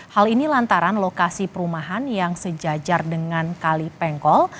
hal ini lantaran lokasi perumahan yang sejajar dengan kali pengkol